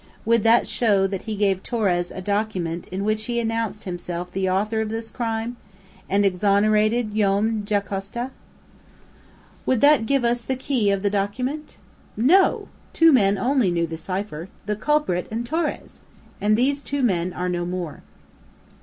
Would that show that he gave Torres a document in which he announced himself the author of this crime, and exonerated Joam Dacosta? Would that give us the key of the document? No! Two men only knew the cipher the culprit and Torres! And these two men are no more!"